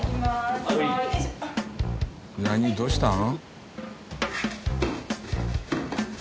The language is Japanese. どうしたん？